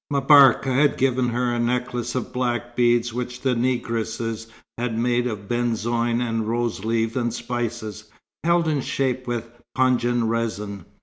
M'Barka had given her a necklace of black beads which the negresses had made of benzoin and rose leaves and spices, held in shape with pungent rezin.